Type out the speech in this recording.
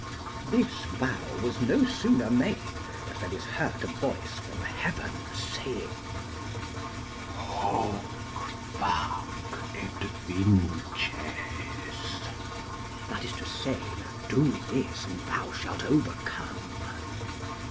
This vow was no sooner made, but there was heard a voice from heaven saying, Hoc fac et vinces; that is to say, Do this, and thou shalt overcome.